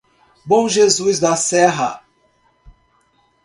Bom Jesus da Serra